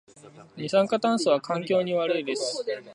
二酸化炭素は環境に悪いです